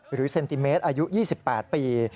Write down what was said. เซนติเมตรอายุ๒๘ปี